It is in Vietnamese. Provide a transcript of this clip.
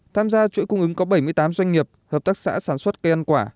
tham gia chuỗi cung ứng có bảy mươi tám doanh nghiệp hợp tác xã sản xuất cây ăn quả